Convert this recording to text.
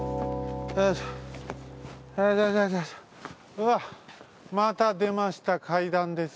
うわっまたでました階段です。